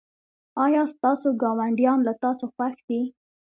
ایا ستاسو ګاونډیان له تاسو خوښ دي؟